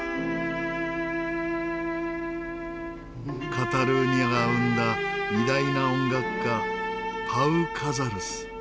カタルーニャが生んだ偉大な音楽家パウ・カザルス。